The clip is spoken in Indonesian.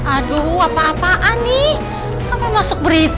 aduh apa apaan nih sama masuk berita